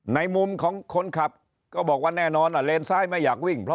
ในมุมของคนขับก็บอกว่าแน่นอนเลนซ้ายไม่อยากวิ่งเพราะ